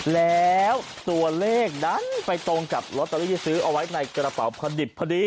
แล้วตัวเลขดันไปตรงกับลอตเตอรี่ที่ซื้อเอาไว้ในกระเป๋าพอดิบพอดี